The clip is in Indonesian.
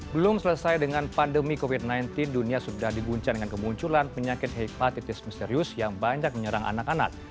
belum selesai dengan pandemi covid sembilan belas dunia sudah diguncang dengan kemunculan penyakit hepatitis misterius yang banyak menyerang anak anak